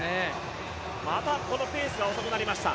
またペースが遅くなりました。